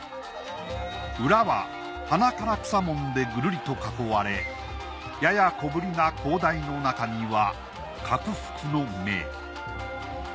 裏は花唐草文でぐるりと囲われやや小ぶりな高台の中には角福の銘。